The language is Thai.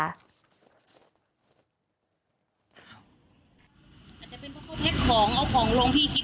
มันก็ทิ้งระยะอยู่